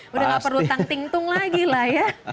sudah tidak perlu tangting tung lagi lah ya